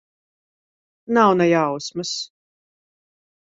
Nav ne jausmas.